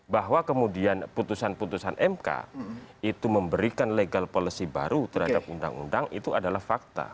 bahwa kemudian putusan putusan mk itu memberikan legal policy baru terhadap undang undang itu adalah fakta